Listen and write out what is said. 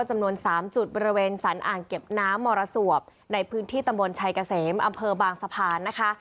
จำนวน๓จุดบริเวณสรรอ่างเก็บน้ำมรสวบในพื้นที่ตำบลชัยเกษมอำเภอบางสะพานนะคะ